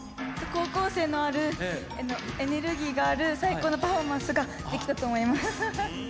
高校生のある、エネルギーがある最高のパフォーマンスができたと思います。